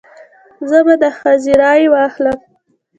زه به د ښځې رای واخلم.